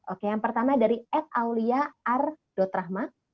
oke yang pertama dari ed aulia ardothrahma